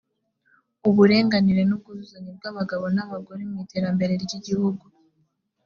uburenganire n ubwuzuzanye bw abagabo n abagore mu iterambere ry igihugu